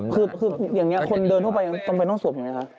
คืออย่างนี้คนเดินทั่วไปยังต้องไปต้องสวมไหมคะ